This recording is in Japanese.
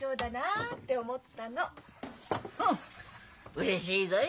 うれしいぞい。